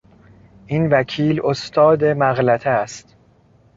این وکیل استاد مغلطه است.